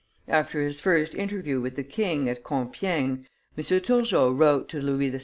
After his first interview with the king, at Compiegne, M. Turgot wrote to Louis XVI.